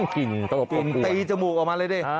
ติดตั้งจมูกออกมาเลยได้